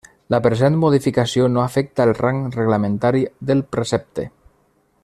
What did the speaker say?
La present modificació no afecta el rang reglamentari del precepte.